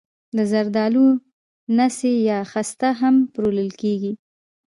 د زردالو نڅي یا خسته هم پلورل کیږي.